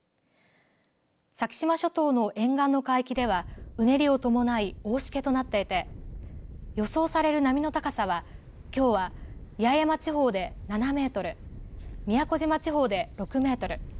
先島諸島の沿岸の海域ではうねりを伴い大しけとなっていて予想される波の高さはきょうは八重山地方で７メートル宮古島地方で６メートル